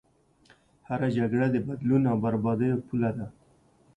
هره جګړه د بدلون او بربادیو پوله ده.